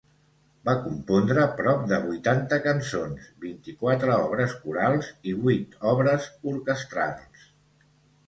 Va compondre prop de vuitanta cançons, vint-i-quatre obres corals i vuit obres orquestrals.